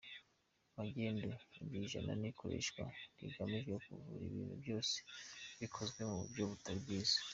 Magendu : iri ni ijambo rikoreshwa hagamijwe kuvuga ibintu byose bikozwe mu buryo butari bwiza.